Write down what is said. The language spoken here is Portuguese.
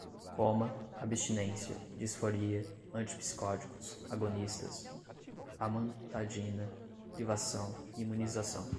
coma, abstinência, disforia, antipsicóticos, agonistas, amantadina, privação, imunização